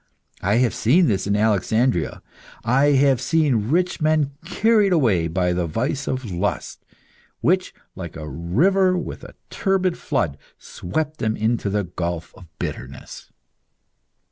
I have seen this in Alexandria; I have seen rich men carried away by the vice of lust, which, like a river with a turbid flood, swept them into the gulf of bitterness."